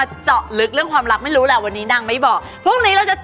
ฟรีตายก็คือตามจังหวักของแต่ละคนเลยครับ